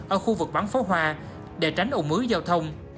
ở khu vực bắn phó hoa để tránh ủng mứ giao thông